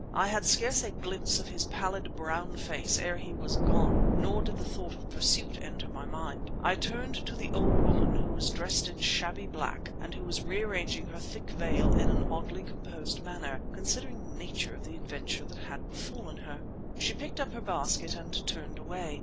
I had scarce a glimpse of his pallid brown face ere he was gone, nor did the thought of pursuit enter my mind. I turned to the old woman, who was dressed in shabby black and who was rearranging her thick veil in an oddly composed manner, considering the nature of the adventure that had befallen her. She picked up her basket, and turned away.